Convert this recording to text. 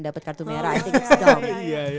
dapet kartu merah i think it's dumb